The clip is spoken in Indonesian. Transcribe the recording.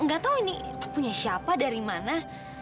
gak tau ini punya siapa dari mana